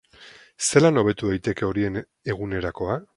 Zelan hobetu daiteke horien egunerakoa?